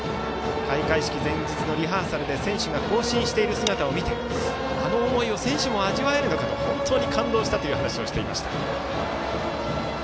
開会式前日のリハーサルで選手が行進している姿を見て、あの思いを選手も味わえるのかと感動したという話をしていました。